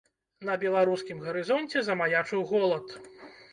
На беларускім гарызонце замаячыў голад.